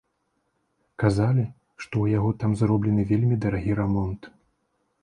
Казалі, што ў яго там зроблены вельмі дарагі рамонт.